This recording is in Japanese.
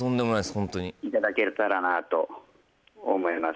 ホントにいただけたらなと思います